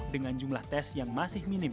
dengan jumlah tes yang masih minim